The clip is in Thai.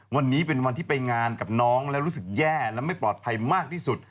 วันนี้เป็นวันที่ไปงานกับน้องแล้วรู้สึกแย่และไม่ปลอดภัยมากที่สุด